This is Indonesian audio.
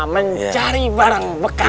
mencari barang bekas